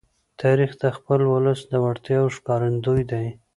تاریخ د خپل ولس د وړتیاو ښکارندوی دی.